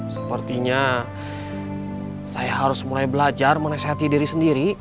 sepertinya saya harus mulai belajar menasehati diri sendiri